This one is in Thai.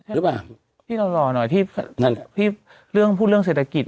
หรือเปล่าพี่หล่อหน่อยพี่เรื่องพูดเรื่องเศรษฐกิจ